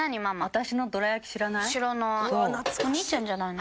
お兄ちゃんじゃないの？